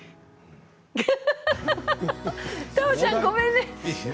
太鳳ちゃん、ごめんね。